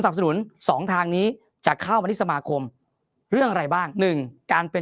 สรรพสนุน๒ทางนี้จะเข้ามาที่สมาคมเรื่องอะไรบ้าง๑การเป็น